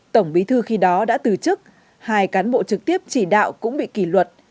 tổng bí thư khi đó đã từ chức hai cán bộ trực tiếp chỉ đạo cũng bị kỷ luật